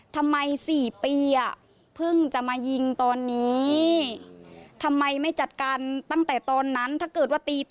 แต่นี่มันผ่านไป๔ปี